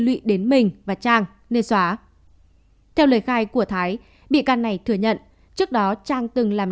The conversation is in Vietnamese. lụy đến mình và trang nên xóa theo lời khai của thái bị can này thừa nhận trước đó trang từng làm